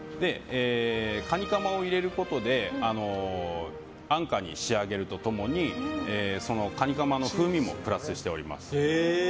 カニかまを入れることで安価に仕上げると共にカニかまの風味もプラスしております。